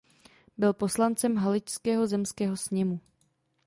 Byl poslancem Haličského zemského sněmu.